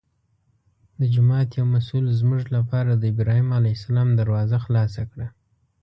د جومات یو مسوول زموږ لپاره د ابراهیم علیه السلام دروازه خلاصه کړه.